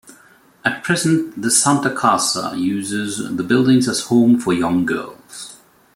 At present the Santa Casa uses the buildings as a home for young girls.